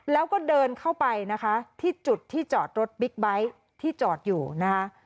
แล้วก็เดินเข้าไปนะคะที่จุดที่จอดรถบิ๊กไบท์ที่จอดอยู่นะคะ